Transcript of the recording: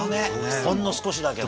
ほんの少しだけど。